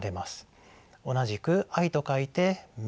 同じく「愛」と書いて「めご」。